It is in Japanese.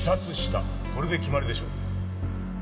これで決まりでしょう。